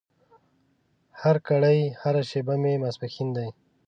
هرګړۍ هره شېبه مې ماسپښين ده